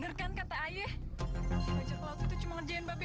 yang ingin dilerlight itu cuma pas anggur tapi